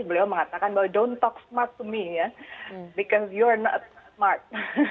beliau mengatakan bahwa don't talk smart to me ya because you're not smart